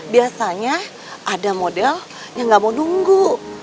biasanya ada model yang nggak mau nunggu